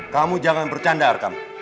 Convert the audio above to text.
kamu jangan bercanda arkang